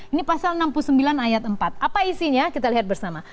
ini pasal enam puluh sembilan ayat empat apa isinya kita lihat bersama